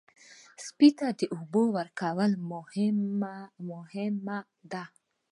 سپي ته د اوبو ورکړه مهمه ده.